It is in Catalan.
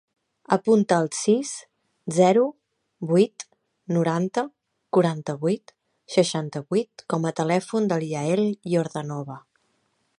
Apunta el sis, zero, vuit, noranta, quaranta-vuit, seixanta-vuit com a telèfon del Yael Yordanova.